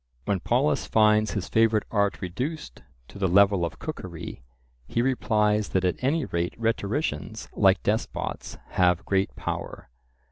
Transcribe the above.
When Polus finds his favourite art reduced to the level of cookery, he replies that at any rate rhetoricians, like despots, have great power.